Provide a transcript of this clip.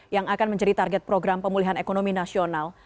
yang akan menjadi target program pemulihan ekonomi nasional